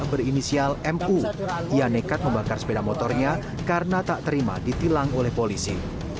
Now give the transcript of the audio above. berinisial mu ia nekat membakar sepeda motornya karena tak terima ditilang oleh polisi